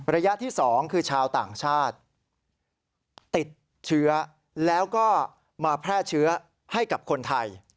ระยะที่๒คือชาวต่างชาติติดเชื้อแล้วก็มาแพร่เชื้อให้กับคนไทย